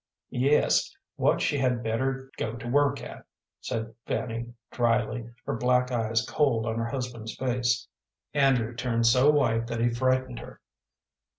"Yes what she had better go to work at," said Fanny, dryly, her black eyes cold on her husband's face. Andrew turned so white that he frightened her.